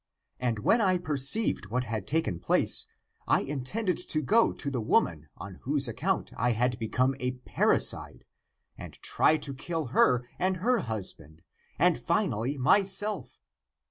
And when I perceived what had taken place, I intended to go to the woman on whose account I had become a parricide and try to kill her and her husband, and finally myself.